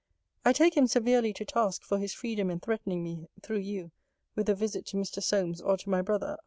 I take him severely to task for his freedom in threatening me, through you, with a visit to Mr. Solmes, or to my brother.